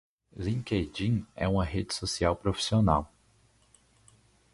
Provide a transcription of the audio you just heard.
LinkedIn é uma rede social profissional.